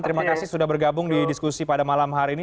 terima kasih sudah bergabung di diskusi pada malam hari ini